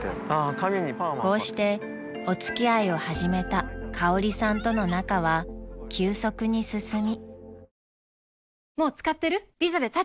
［こうしてお付き合いを始めたかおりさんとの仲は急速に進み］